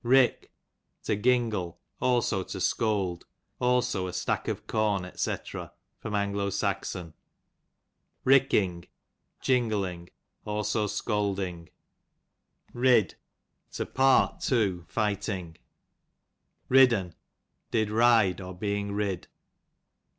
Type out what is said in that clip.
Kick, to jingle; also to scold; also a stack oj corn, 6(c. Ricking, jingling ; also scold ing. Rid, to part two fighting, Ridd'n, did ride, *>r being rid.